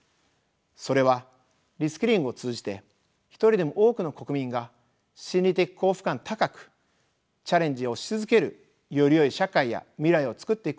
それはリスキリングを通じて一人でも多くの国民が心理的幸福感高くチャレンジをし続けるよりよい社会や未来をつくっていくことです。